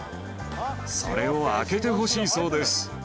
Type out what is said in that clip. それを開けてほしいそうです。